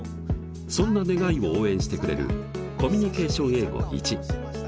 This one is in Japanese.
そんな願いを応援してくれる「コミュニケーション英語Ⅰ」。